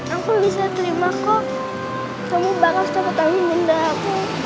aku bisa terima kok kamu bakal sapu tangan bunda aku